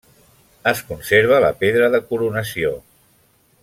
Es conserva la pedra de coronació.